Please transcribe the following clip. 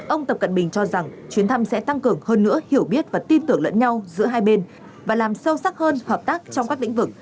ông tập cận bình cho rằng chuyến thăm sẽ tăng cường hơn nữa hiểu biết và tin tưởng lẫn nhau giữa hai bên và làm sâu sắc hơn hợp tác trong các lĩnh vực